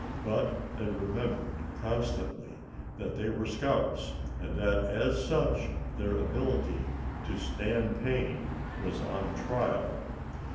But they remembered constantly that they were scouts; and that as such, their ability to stand pain was on trial.